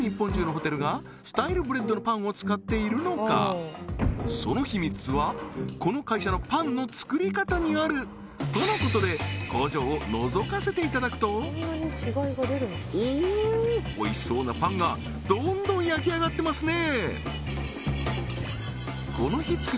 でもその秘密はこの会社のパンの作り方にあるとのことで工場をのぞかせていただくとおおーっおいしそうなパンがどんどん焼き上がってますね